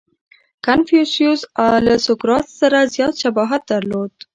• کنفوسیوس له سوکرات سره زیات شباهت درلود.